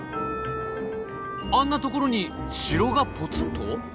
あんなところに城がポツンと？